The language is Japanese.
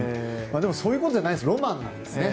そういうことじゃなくてロマンなんですね。